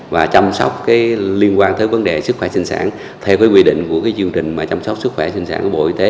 và chăm sóc liên quan tới vấn đề sức khỏe sinh sản theo quy định của chương trình chăm sóc sức khỏe sinh sản của bộ y tế